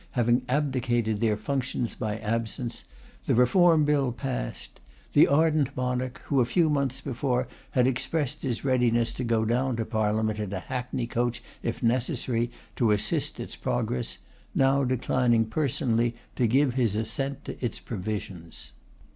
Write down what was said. having abdicated their functions by absence, the Reform Bill passed; the ardent monarch, who a few months before had expressed his readiness to go down to Parliament, in a hackney coach if necessary, to assist its progress, now declining personally to give his assent to its provisions.